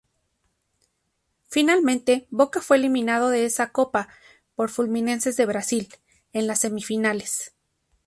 Finalmente, Boca fue eliminado de esa copa por Fluminense de Brasil, en las semifinales.